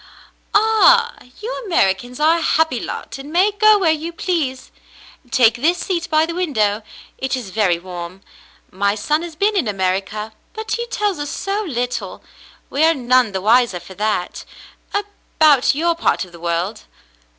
"Ah, you Americans are a happy lot and may go where you please. Take this seat by the window; it is very warm. My son has been in America, but he tells us so little, we are none the wiser for that, about your part of the world."